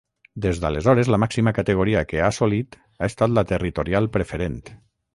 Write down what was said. Des d'aleshores la màxima categoria que ha assolit ha estat la Territorial Preferent.